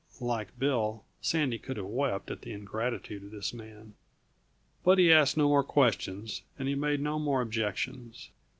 Like Bill, Sandy could have wept at the ingratitude of this man. But he asked no more questions and he made no more objections.